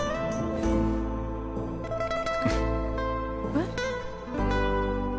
えっ？